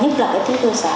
nhất là cái thiết thưa xã